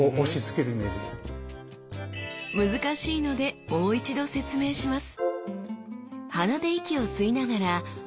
難しいのでもう一度説明します